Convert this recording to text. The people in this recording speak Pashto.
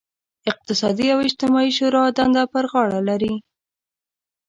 اقتصادي او اجتماعي شورا دنده پر غاړه لري.